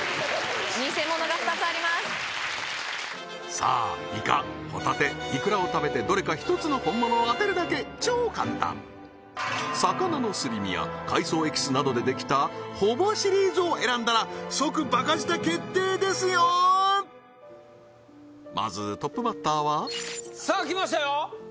偽物が２つありますさあイカホタテいくらを食べてどれか１つの本物を当てるだけ超簡単魚のすり身や海藻エキスなどでできたほぼシリーズを選んだら即バカ舌決定ですよーまずトップバッターはさあ来ましたよ